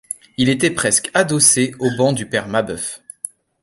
Il était presque adossé au banc du père Mabeuf.